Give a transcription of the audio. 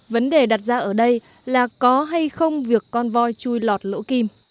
vấn đề đặt ra ở đây là có hay không việc con voi chui lọt lỗ kim